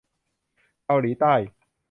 เกาหลีใต้